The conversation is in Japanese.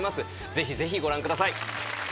ぜひぜひご覧ください。